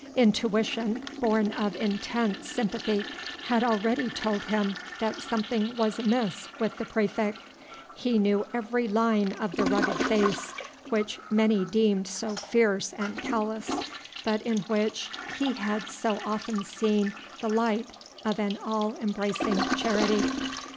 Intuition born of intense sympathy had already told him that something was amiss with the praefect. He knew every line of the rugged face which many deemed so fierce and callous, but in which he had so often seen the light of an all embracing charity.